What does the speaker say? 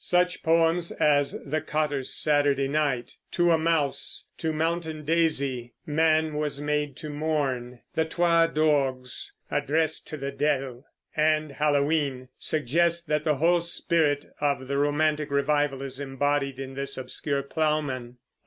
Such poems as "The Cotter's Saturday Night," "To a Mouse," "To Mountain Daisy," "Man was Made To Mourn," "The Twa Dogs," "Address to the Deil," and "Halloween," suggest that the whole spirit of the romantic revival is embodied in this obscure plowman.